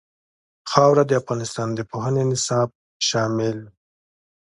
خاوره د افغانستان د پوهنې نصاب کې شامل دي.